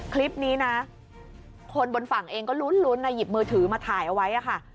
คลิปนี้นะคนบนฝั่งเองก็ลุ้นนะหยิบมือถือมาถ่ายเอาไว้ค่ะ